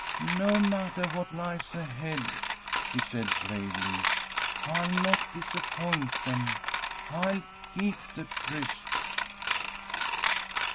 "No mattah what lies ahead," she said, bravely, "I'll not disappoint them. I'll keep the tryst!"